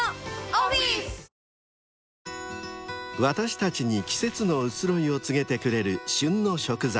［私たちに季節の移ろいを告げてくれる］